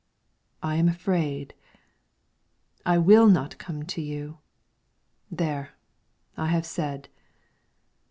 I am afraid. I will not come to you. There, I have said.